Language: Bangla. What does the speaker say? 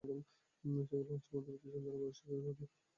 সেগুলো হচ্ছে মধুমতি নদী ও চন্দনা-বারাশিয়া নদী।